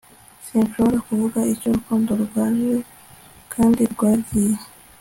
Sinshobora kuvuga icyo urukundo rwaje kandi rwagiye